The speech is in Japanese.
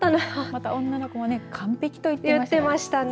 また女の子も完璧と言っていましたね。